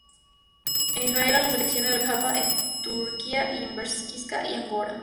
En Israel a la selección y al Jaffa, en Turquía al Beşiktaş y Angora.